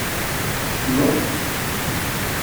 Tessneḍ-t.